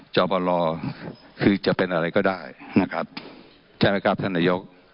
จบลคือจะเป็นอะไรก็ได้นะครับใช่ไหมครับท่านนายก